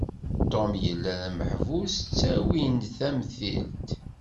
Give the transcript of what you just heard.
Tom yella d ameḥbus ttawin d tamtilt.